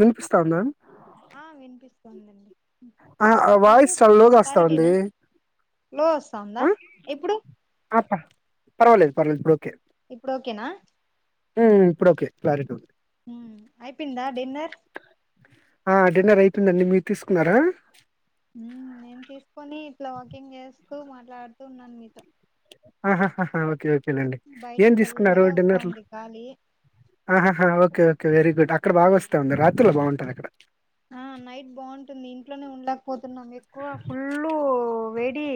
వినిపిస్తోందా ఆ వినిపిస్తోంది ఆ వాయిస్ చాలా లోగా వస్తా వుంది క్లారిటీనా లో వస్తాందా ఇప్పుడు ఆ ప పర్వాలేదు పర్లేదు ఇప్పుడు ఓకే ఇప్పుడు ఓకేనా ఉమ్ ఇప్పుడు ఓకే క్లారిటీ ఉంది ఉమ్ అయిపోయిందా డిన్నర్ ఆ డిన్నర్ అయితుందండి మీరు తీసుకున్నారా నేను తీసుకొని ఇట్లా వాకింగ్ చేస్తూ మాట్లాడుతూ ఉన్నాను మీతో ఆ హ్హ్ ఓకే ఓకే తినండి బయట ఏం తీసుకున్నారు చల్లగా డిన్నర్లో వస్తాంది గాలి ఆ హ్హ్ ఓకే ఒకే వెరీ గుడ్ అక్కడ బాగా వస్తా ఉంది రాత్రులు బాగుంటాది అక్కడ ఆ నైట్ బాగుంటుంది ఇంట్లోనే ఉండక పోతున్నాం ఎక్కువ ఫుల్ వేడి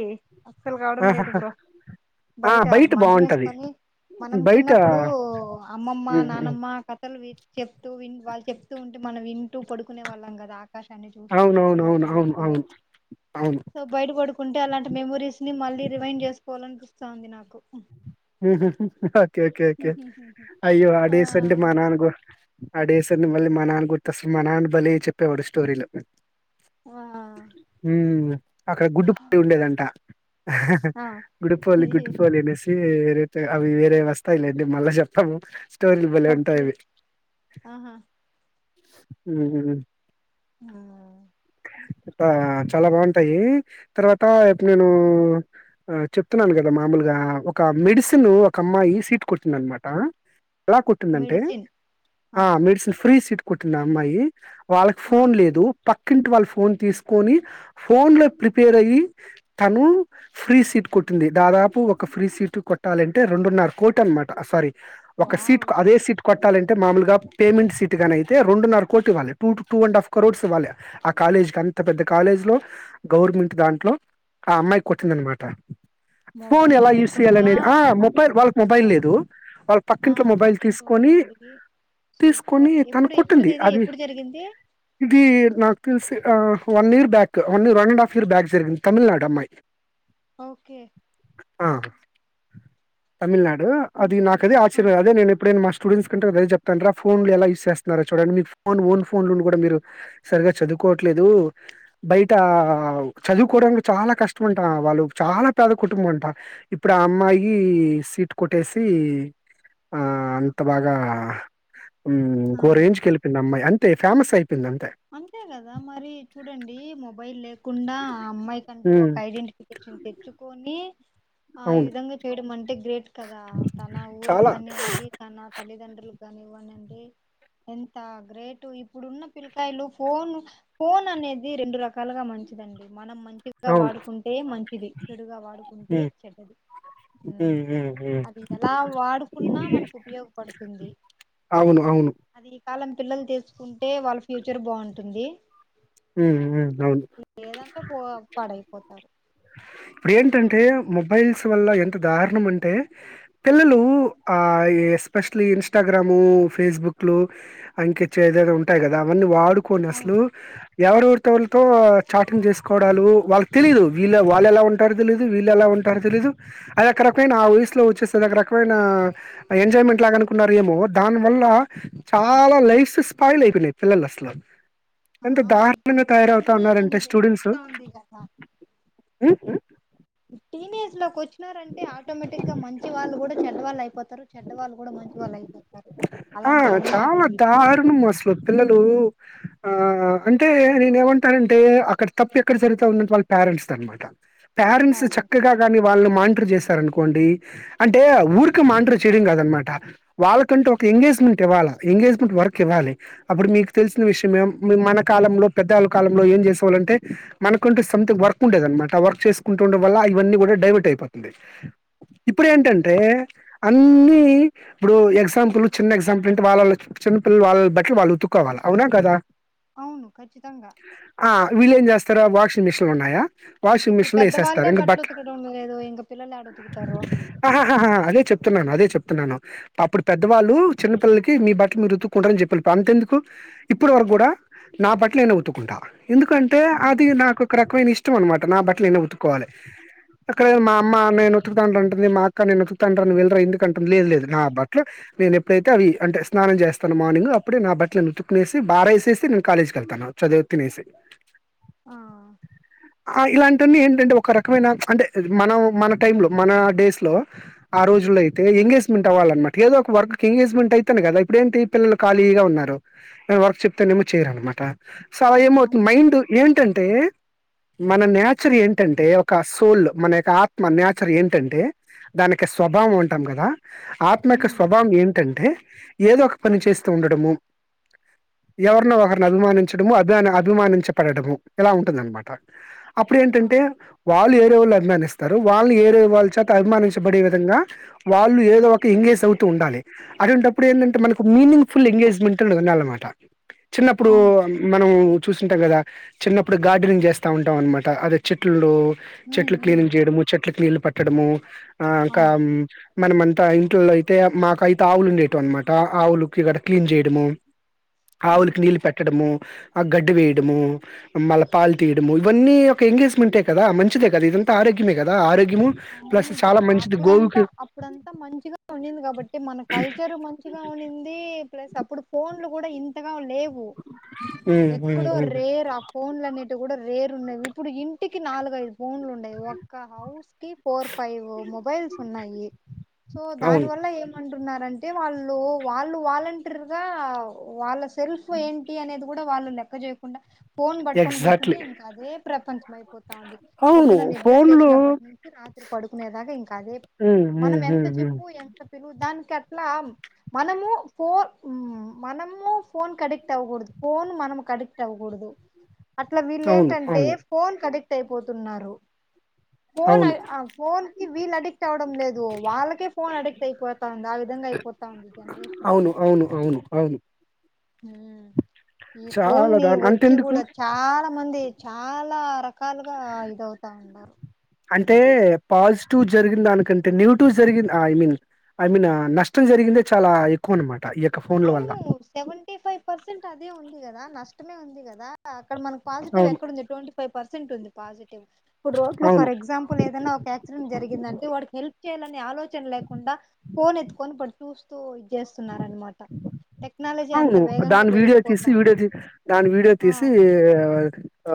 అస్సలు కావడం లేదు ఆహాహా బ్రో ఆ బయట మంచం బాగుంటది వేసుకొని మనం బయట చిన్నప్పుడు అమ్మమ్మ ఉమ్ ఉమ్ నానమ్మ కథలు విని చెప్తూ విని వాళ్ళు చెప్తూ ఉంటే మనం వింటూ పడుకునే వాళ్ళం కదా ఆకాశాన్ని చూస్తూ అవునవును చుక్కలు అవును లెక్క అవును పెడుతూ అవును అవును సో బయట పడుకుంటే అలాంటి మెమోరీస్ ని మళ్ళీ రివైన్ చేసుకోవాలనిపిస్తాంది నాకు హ్మ్మ్ ఓకే ఓకే ఓకే అయ్యో ఆ డేస్ అంటే మా నాన్నకు ఆ డేసన్ని మళ్ళీ మా నాన్న గుర్తొస్తాడు మా నాన్న బలే చెప్పేవాడు స్టోరీలు ఆ మ్మ్ అక్కడ గుడ్డు పుట్టి ఉండేదంట ఆ గుడికిపోవలి అనేసి వేరే అవి వేరే వస్తాయి ఇల అ మళ్ళా చెప్పాము స్టోరీ భలే ఓకే ఉంటది ఆహా మ్మ్ హ్ ఆ ఆ చాలా బాగుంటాయి తర్వాత నేను ఆ చెప్తున్నాను కదా మామూలుగా ఒక మెడిసిన్ ఒక అమ్మాయి సీట్ కొట్టింది అనమాట ఎలా కొట్టిందంటే మెడిసిన్ ఆ మెడిసిన్ ఫ్రీ సీట్ కోట్టింది అమ్మాయి వాళ్ళకి ఆ ఫోన్ లేదు పక్కింటి వాళ్ళ ఫోన్ తీసుకొని ఫోన్ లో ప్రిపేర్ అయ్యి తను ఫ్రీ సీట్ కొట్టింది దాదాపు ఒక ఫ్రీ సీట్ కొట్టాలంటే రెండున్నర కోటీ అన్నమాట సారీ ఒక సీట్ వావ్ అదే సీట్ కొట్ట అంటే మామలుగా పేమెంట్ సీట్ గణయితే రెండున్నర కోటి ఇవ్వాలి two two and half crores ఇవ్వాలి ఆ కాలేజ్ అంత పెద్ద కాలేజ్ లో గవర్నమెంట్ దాంట్లో ఆ అమ్మాయి కొట్టింది అన్నమాట మొబైల్ లేక మొబైల్ వాళ్ళ మొబైల్ లేదు వాళ్ళ ఆ పక్కింట్లో మొబైల్ పక్కింటి తీసుకొని వాళ్ళని అడిగి సూపర్ తీసుకొని తను ఎప్పుడు కొట్టింది ఎప్పుడుదిది అది ఎప్పుడు జరిగింది ఇది నాకు తెలిసి one year back one year one and half year back జరిగింది తమిళనాడు అమ్మాయి ఓకే ఆ తమిళనాడు ఆ అది నాకు అదే ఆ ఆశ్చర్యం అదే నేను ఎప్పుడైన మాస్ స్టూడెంట్స్ కంటే చెప్తారా ఫోన్లు ఎలా యూస్ చేస్తరా చూడండి మీ ఓన్ ఫోన్ లో కూడా మీరు సరిగా చదువు కొట్లేదు బయట చదువుకోవడానికి చాలా కష్టం ఉంట వాళ్ళు చాలా పెద కుటుంబం కుటుంబం అంటారు ఇప్పుడు ఆ అమ్మాయి సీట్ కొట్టేసి ఆ అంత బాగా ఆ ఒక రేంజ్ కి వెళ్ళింది అమ్మాయి అంతే ఫేమస్ అంతే కదా మరి చూడండి మొబైల్ లేక కుండా ఆ అమ్మాయి కంటూ హ్మ్. ఒక ఐడెంటిఫికేషన్ తెచ్చుకొని ఆ ఈ అవును. విధంగా చేయడం అంటే గ్రేట్ కదా తన ఊరికి చాలా కానివ్వండి తన తల్లిదండ్రుల ఇవ్వండి ఎంత గ్రేట్ ఇప్పుడు ఉన్న పిల్లలు సెల్ ఫోన్ అనేది రెండు రకాలుగా మంచిదండి మనం మంచిగా అవును వాడుకుంటే మంచిది చెడుగా వాడుకుంటే ఉమ్ చెడ్డది ఉమ్ ఉమ్ ఉమ్ అది ఎలా వాడుకున్నా మనకు ఉపయోగపడుతుంది అవునవును అది ఈ కాలం పిల్లలు తీసుకుంటే వాళ్ళ ఫ్యూచర్ బాగుంటుంది మ్మ్ అవును లేదంటే పో పాడైపోతారు ఏంటంటే మొబైల్స్ వల్ల ఎంత దారుణం అంటే పిల్లలు ఎస్పీసియల్ ఇంస్టాగ్రామ్ ఫేసుబుక్ లు ఆ ఇంకా ఏవేవో ఉంటాయి కదా అవును డుకోనిస్లు ఎవరెవరితో వాళ్లతో చాటింగ్ చేసుకోవడాలు వాళ్ళకి తెలీదు వీళ్ళ వాళ్ళు ఎలా ఉంటారు తెలిదు వీళ్ళు ఎలా ఉంట ఎవ్వరికి తెలీదు అది ఒక రకమైన ఆ వయసు లో వచ్చేసికరకమైన ఎంజాయ్మెంట్ లాగా అనుకున్నారు ఏమో దాని వల్ల చాలా లైఫ్స్ స్పాయిల్ అయిపోయినాయి పిల్లలు అసలు ఆ ఎంత ఇప్పుడు [unintelligible] ఈ తయారవుతా టీనేజ్ ఉన్నారంటే అనేది ఒకటి స్టూడెంట్స్ వస్తా ఉంది కదా ఈ టీనేజ్ లోకి వచ్చినారంటే ఆటోమేటిక్ గా మంచి వాళ్ళు కూడా చెడ్డ వాళ్ళు అయిపోతారు చెడ్డ వాళ్ళు కూడా మంచి వాళ్ళు అవు ఆ చాలా టీనేజ్ దారుణము లో అసలు పిల్లలు ఆ అంటే నేను ఏమంటానంటే అక్కడ తప్పి ఎక్కడ జరుగుత ఉందంటే వాళ్ళ పేరెంట్స్ ది అనమాట పేరెంట్స్ చక్కగా దాన్ని వాళ్ళు మా [unintelligible] చేస్తారనుకోండి అంటే ఊరికి మాండ్ర చేడం కాదు అనమాట వాళ్ళకు కంటూ ఒక ఎంగేజ్మెంట్ ఇవ్వాలా ఎంగేజ్మెంట్ వర్క్ ఇవాలి అప్పుడు మీకు తెలిసిన విషయం మీ మీ మన కాలంలో పెద్దవాళ్ళు కాలంలో ఏం చేసేవాలంటే మనకుంటె సంథింగ్ వర్క్ ఉండేద అనమాట ఆ వర్క్ చేసుకుంటుండడం వల్ల ఇవన్నీ కూడా డైవర్ట్ అయిపోతుంది ఇప్పుడు ఏంటంటే అన్ని ఇప్పుడు ఎగ్జా క్సాంపులు చిన్న ఎక్సాంపులంటే వాళ్ళ చిన్న పిల్ల వాళ్ళ బటి వాళ్ళు తుక్కవాలి అవునా కాదా అవును ఖచ్చితంగా వీళ్ళు ఏం చేస్తారా వాషింగ్ మిషన్ ఉన్నాయా వాషింగ్ ఇప్పుడు మిషన్ లో వేసేస్తారు పెద్దవాళ్ళే ఇంక బట్టలు బట్ట ఉతకడం లేదు ఇంక పిల్లలు యాడ ఉతుకుతారో ఆహాహాహా అదే చెప్తున్నాను అదే చెప్తున్నాను అప్పుడు పెద్దవాళ్ళు చిన్నపిల్లల్లకి మీ ట్ మీరు ఉత్తుకుంటారని చెప్ప అంతేందుకు ఇప్పుడివరకు కూడా నా బట్ల నేనే ఉతుకుంటా ఎందుకంటే ఆ అది నాకొక రకమైన ఇష్టం అనమాట నా బట్టలు నేనే ఉతుకోవాలి ఆ అక్కడే మా అమ్మ నేను ఉతుకతా అంటుంటది మా అక్క నేను ఉతుకుతా అంటాది నువ్వు వెల్దుర ఇంటికి అంటుంది లేదు లేదు నా బా ట్లు నేను ఎప్పుడైతే అవి అంటే స్నానం చేస్తాను మార్నింగ్ అప్పుడే నా బట్టలను ఉతుకునేసి బార వేసేసి నేను కాలేజీ కెళ్తాను చదివు తినేసి ఆ, ఆ ఇలాంటిన్నీ ఏంటంటే ఒక రకమైన అంటే మనం మన టైమ్ లో మన డేస్ లో ఆ రోజు జులో అయితే ఎంగేజ్మెంట్ అవ్వాలన్నమాట ఏదో ఒక వర్క్ ఎంగేజ్మెంట్ అవుతానే కదా ఇప్పుడ ఏంటి పిల్లలు ఖాళీగా ఉన్నారు ఆ వర్క్ చెప్తేనేమో చేయరు అనమాట్ ట సో అలా ఏమవుతుంది అవును మైండ్ ఏంటంటే మన నేచర్ ఏంటంటే ఒక సోల్ మన యొక్క ఆత్మ నేచర్ ఏంటంటే దానికి స్వభావం ఉంటాం కదా ఆత్మ యొక్క ఉమ్ స్వభావం ఏంటంటే ఏదో ఒక పని చేస్తూ ఉండడము ఎవరినో ఒకరిని అభిమానించడము అభి అనే అభిమానించబడడము ఇలా ఉంటుంది అనమాట అప్పుడు ఆ ఏంటంటే వాళ్ళు ఏరే వాళ్ళ అబ్ అభిమానిస్తారు వాళ్ళు ఏరే వాళ్ళ చేత అభిమానించబడే విధంగా వాళ్ళు ఏదో ఒక క ఎంగేజ్ అవుతూ ఉండాలి అటువంటప్పుడు ఏంటంటే మనకు మీనింగ్ ఫుల్ ఎంగేజ్మెంట్ అనేది ఉండాలన్నమాట చిన్నప్పుడు అవును మనం చూసింటాం కదా చిన్నప్పుడు గార్డెనింగ్ చేస్తా ఉంటాం అనమాట అదే చెట్లు ఉమ్ చెట్లు ఉమ్ క్లీనింగ్ చేయడము చెట్లకి నీళ్ళు పట్టడము ఆ ఇంకా అవును మనమంతా ఈ ట్లో అయితే మాకైతే ఆవులు ఉండేటివి అనమాట ఆవులుకి ఇక్కడ క్లీన్ చేయడము ఆ ఆవులికి నీళ్ళు పెట్టడము ఆ గడ్డి వేయడము మళ్ళీ పాలు తీయడము ఇవన్నీ ఒక ఎంగేజ్మెంటే కదా మంచిదే కదా ఇదంతా ఆరే ఆరోగ్యమే కదా ఆరోగ్యము ప్లస్ అవును బ్రో చాలా మంచిది గోవుకి [unintelligible] ఉన్నింది కాబట్టి మన కల్చర్ మంచిగా ఉన్నింది ప్లస్ అప్పుడు ఫోన్లు కూడా ఇంతగా లేవు వు ఉమ్ ఉమ్ ఎక్కడో ఉమ్ రేర్ ఆ ఫోన్లు అన్నిటి కూడా రె రేరున్నవి ఇప్పుడు ఇంటికి నాలుగు ఐదు ఫోన్లు ఉన్నాయి ఒక్క హౌస్ కి ఫోర్ ఫైవ్ మొబైల్స్ ఉన్నాయి సో దాని అవును వల్ల ఏమంటున్నారు అన్ అంటే వాళ్ళు వాళ్ళు వాలంటీర్ గా వాళ్ళ సెల్ఫ్ ఏంటి అనే కూడా వాళ్ళు లెక్క చేయకుండా ఫోన్ పట్టుకొని కూర్చుంటే ఎగ్జాక్ట్లీ ఇంకా అదే ప్రపంచం అయిపోతాంది అవును పొద్దున నిద్ద్ర ఫోన్ లో లేచినప్పటి నుంచి రాత్రి పడుకునేదాకా ఇంకా అదే ఉమ్ మనం ఉమ్ ఎంత ఉమ్ ఉమ్ చెప్పు ఎంత పిలువు దానికట్లా మనము ఫోన్ మనము ఫోన్ అడిక్ట్ అవకూడదు ఫన్ మనమకు అడిక్ట్ ఆవకూడదు అట్లా వీళ్ళ అవును ఏంటంటే అవును ఫోన్ కి అడిక్ట్ అయిపోతున్నారు ఫోన్ అవును ఫోన్ కి వీళ్ళు అడిక్ట్ అవ్వడం లేదు వాళ్ళకే ఫోన్ అడిక్ట్ అయిపోతంది ఆ విధంగా అయిపోత తాంది అవును జనరేషన్ప్పుడు అవును అవును హ్మ్ ఈ ఫోన్ చాలా ని దారు వచ్చి అంతెందుకు కూడా చాలా మంది చాలా రకాలుగా ఇదవుతాయిన్నారుా అంటే పాస్ టివ్ జరిిన దానికంటే నెగిటివ్ జరిగింది ఐ మీన్ ఐ మీన్ నష్టం జరిగిందే చాలా ఎక్కువ అనమాట ఈ యొక్క ఫోన్ల వల్ల అవును సెవెంటీ ఫైవ్ పర్సెంట్ అదే ఉంది కదా నష్టమే ఉంది కదా అక్కడ మనకి పాజిటి్ అవును ఎక్కడ ఉంది ట్ంటీ ఫవ్ పర్సెంట్ ఉంది పస్టివ్ ఇప్పుడు రోడ్ లో అవును ఫర్ ఎక్సంపుల్ ఏదైన్నా ఒక యాక్సిడెంట్ జరిగి దంటే వాడికి హెల్ప్ చేయాలని ఆలోచన లేకుండా ఫోన్ ఎత్కొని కాడు చూస్తూ చేస్తున్నార అనమాట అవును దాని వీడియో తీసి వీడియో పెరిగిపోతాంది తీ దాని వీడియో ఆ తీసి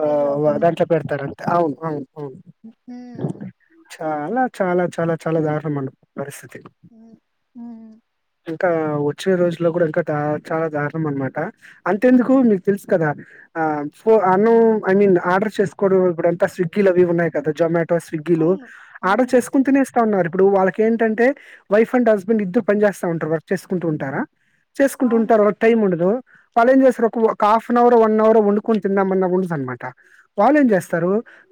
వైరల్ అవుతున్నారు దాంట్లో పెడతారు అంత అవును అవును అవును హ్మ అలా చాలా చాలా చాలా దారుణము ఉంది పరిస్థితి హ్మ్ ఇంకా వచ్చే రోజుల్లో కూడా ఇంకా చాలా దారుణం అనమాట అంతేందుకు మీకు తెలుసు కదా ఆ ఫో అను ఐ మీన్ ఆర్డర్ చేసుకోవడం ఇపుడంత స్విగ్గీలు అవి ఇవి ఉన్నాయి కదా జొమాటో స్విగ్ లు అవును ఆర్డర్ అవును చేసుకొని తినేస్ తన్నారు ఇప్పుడు వాళ్ళకి ఏంటంటే వైఫ్ అండ్ హస్బెండ్ ఇద్దరు పని చేేస్తా ఉంటారు వర్క్ చేసుకుంటూ ఉంటారా చేసుకుంటు అవును ఉంటారు వాళ్ళకి టైం ఉండదు వాళ్ళు ఏం చేస్తారు ఒక half an hour one hour వండుకొని తిందాంమన్న ఉండదు అనమాట వాళ్ళు ఏం చేస్తారు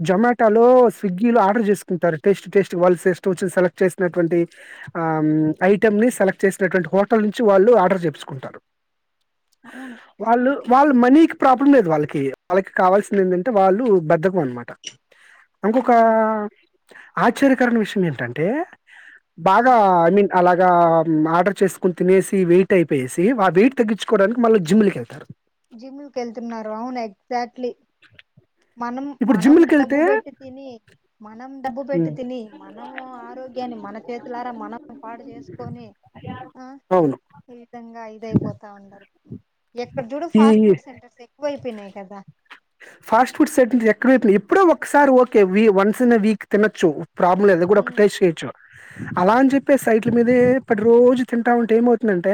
జొమాటో లో స్విగ్గీ లో ఆర్డర్ చేసుకుంటారు టేస్ట్ టేస్ట్ వాల్స్ ఇష్టం వచ్చింది సెలెక్ట్ చేసినటువంటి ఆమ్ ఐటమ్ ని సెలెక్ట్ చేసినటువంటి హోటల్ నుంచి వాళ్ళు ఆర్డర్ చెప్ స్కుంటరు అవును వాళ్ళు వాళ్ళ మనీక్ ప్రాబ్లం లేదు వాళ్ళకి వాళ్ళకి కావాల్సింది ఏంటంటే వాళ్ళు బధకం అనమాట ఆ ఇంకొక ఆశ్చర్యకరణ విషయం ఏంటంటే ఆ బాగా ఐ మీన్ అలాగా ఆర్డర్ చేసుకుొని తినేసి వెయిట్ అయిప్ వేసి ఆ వెయిట్ తాగించుకోడానికి మళ్ళ జిమ్లకి వెళ్తారు జిమ్లుకు వెళ్తున్నారు అవును ఎగ్జాక్ట్లీ మనం ఇప్పుడు మనం జిమ్లకి వెళ్తే డబ్బు పెట్టి తిని మనం డబ్బు పెట్టు తిని మనం ఆరోగ్ కని మన చేతులారా మనం పాడు చేసుకొని ఆ అవును ఈ విధంగా ఇదయిపోతా ఉనారు ఎక్కడ చూడు ఈ ఫాస్ట్ ఫుడ్ సెంటర్స్ ఎక్కువ అయిపోయినాయి కదా ఫాస్ట్ ఫుడ్ సెంటర్ ఎక్కడ పెట్ ఎప్పుడో ఒకసారి okay we once in week తినొచ్చు ప్రాబ్లమ్ లేదు అది కూడా ఒక ఉమ్ టైస్ చేయొచ్చు అలా అని చెప్పి సైట్ల మీదే ప్రతి రోజు తింటా ఉంటే ఏమవుతుందంటే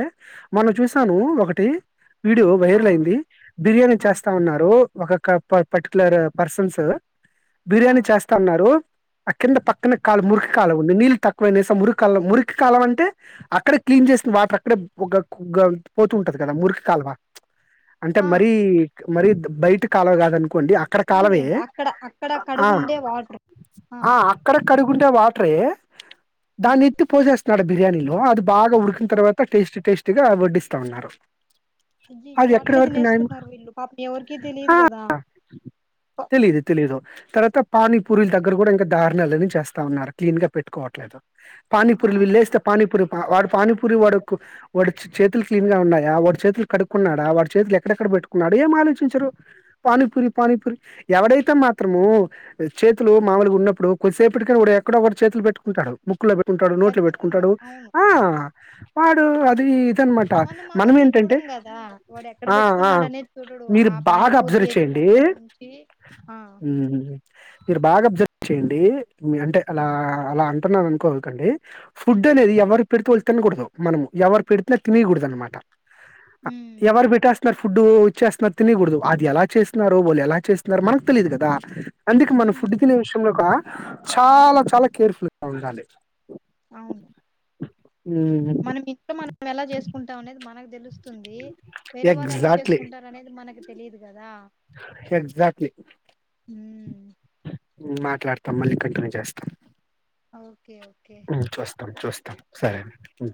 మొన్న చూసాను ఒక ఒకటి వీడియో ఆ వైరల్ అయింది బిర్యానీ ఆ చేస్తా ఉన్నారు ఒక కప్ పర్టికులర్ పర్సన్స్ ఆ బిర్యానీ చేస్తాన్నాడు ఆ కింద పక్కనే కాలు మురికి కాలవ ఉంది నీళ్ళు తక్కువయి అనేసి ఆ మురి కాలవ మురికు కాలవ అంటే అక్కడే క్లీన్ చేంది వాటర్ అక్కడే ఒక గ పోతుంటది కదా మురిక కాలువ అంటే ఆ మరీ మరీ థా బయటి కాలవ కదాఅ నుకోండి అక్కడ కాలవే అవునులేండి అక్కడ అక్కడ ఆ కడుగుండే వాటర్ ఆ అక్కడ కడుగుంటే వాటరేయ్ ఆ దాన్ని ఎత్తి పోసేస్తున్నాడు బిర్యానీలో, అది బాగా ఉడికిన అబ్బా తర్వాత టేస్ట్ టేస్ట్. పూర్తిగా వడ్డిస్తా ఉన్నారు. అది అయ్యయ్యో ఎక్కడి అట్లే వరకు న్యాయం? తినేస్తున్నారు వీళ్ళు పాపం ఎవరికీ తెలియదు. ఆ! కదా ప- తెలీదు, తెలీదు. తర్వాత పానీ, పూరీలు దగ్గర కూడా ఇంకా దారుణాలనేవీ చేస్తా ఉన్నారు. క్లీన్ గా పెట్టుకోవట్లేదు. పాని, పూరీలు అవును వీల్లేస్తే పానీపురి. వాడు పానీపూరి వాడు, వాడు చేతులు క్లీన్ గా ఉన్నాయా? వాడు చేతులు కడుక్కున్నాడా? వాడి చేతులు ఎకడెక్కడ పెట్టుకున్నాడు ఏం ఆలోచించరు. పానీపూరి, పానీపూరి ఎవడైతే మాత్రము చేతులు మామూలుగా ఉన్నప్పుడు కొద్దిసేపు. ఎక్కడ ఒక్కడ చేతులు పెట్టుకుంటాడు. ముక్కులో పెట్టుకుంటాడు. నోట్లో ఖచ్చితంగా పెట్టుకుంటాడు అవును ఆ వాడు అది ఇదనమాట మనం అవన్నీ ఏంటంటే చూడం కదా! వాడు ఎక్కడ ఆ ఆ పెట్టుకున్నాడు అనే చూడడు. ఆ మీరు బాగా పానీపూరి అబ్జర్వ్ ఎత్తి చేయండి. దాంట్లో ముంచి ఆ మీరు బాగా అబ్జర్వ్ చేయండి. అంటే అలా అలా అంటున్నా అనుకోకండి ఫుడ్ అనేది ఎవరి పే తినకూడదు మనము ఎవరు పెడితే తినేయకూడదు అన్నమాట. ఉమ్ ఎవరు పెట్టేస్తారు ఫుడ్ ఇచ్చిస్తున్నారు తినాయకూడదు. అది ఎలా చేస్తున్నానోరో, వాళ్ళు ఎలా చేస్తున్నారో మనకు తెలిదు కదా! అందుకే మనం ఉమ్ ఫుడ్ తినే విషయంలో ఒక చాలా చాలా కేర్ఫుల్ గా ఉండాలి. అవును. హ్మ్. మనం ఇంట్లో మనం ఎలా చేసుకుంటాం అనేది మనకు తెలుసు. వేరే వాళ్ళు ఎలా ఎగ్జాక్ట్‌లీ. చేసుకుంటారు అనేది మనకు తెలియదు కదా! ఉమ్ మాట్లాడతా, మళ్ళీ కంటిన్యూ చేస్తాం. ఓకే. ఓకే. సరేనండి.